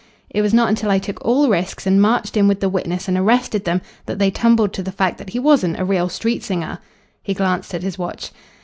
It was not until I took all risks and marched in with the witness and arrested them that they tumbled to the fact that he wasn't a real street singer." He glanced at his watch.